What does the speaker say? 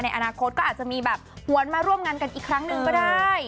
อนาคตก็อาจจะมีแบบหวนมาร่วมงานกันอีกครั้งหนึ่งก็ได้